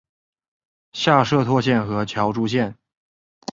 下设柘县和乔珠县。